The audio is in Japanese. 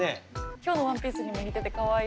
今日のワンピースにも似ててかわいい。